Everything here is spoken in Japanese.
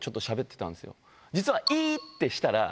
実はイってしたら。